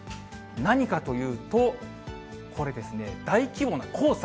何かというと、これですね、大規模な黄砂。